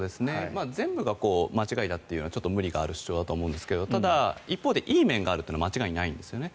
全部が間違いだというのは無理がある主張だと思いますがただ、一方でいい面があるというのは間違いないんですね。